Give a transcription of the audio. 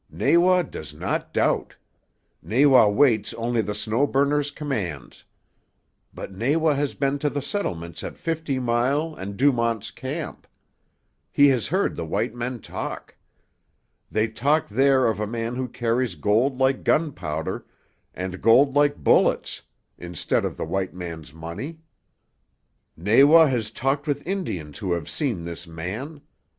Nawa does not doubt. Nawa waits only the Snow Burner's commands. But Nawa has been to the settlements at Fifty Mile and Dumont's Camp. He has heard the white men talk. They talk there of a man who carries gold like gunpowder and gold like bullets, instead of the white man's money. "Nawa has talked with Indians who have seen this man.